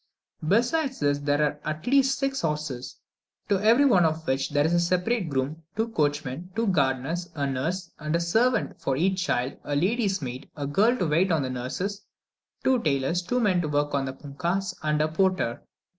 Besides this, there are at least six horses, to every one of which there is a separate groom; two coachmen, two gardeners, a nurse and servant for each child, a lady's maid, a girl to wait on the nurses, two tailors, two men to work the punkahs, and one porter.